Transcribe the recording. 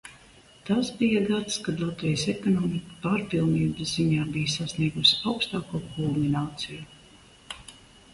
Tas bija gads, kad Latvijas ekonomika pārpilnības ziņā bija sasniegusi augstāko kulmināciju.